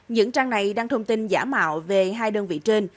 những trang này đăng thông tin giả mạo về hai đơn vị trên